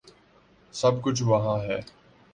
سب کچھ وہاں ہے۔